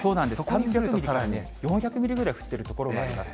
３００ミリから４００ミリぐらい降ってる所もあります。